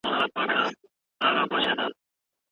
که کرکه او تعصب پرېنږدي نو هیڅوک به دې درناوی ونه کړي.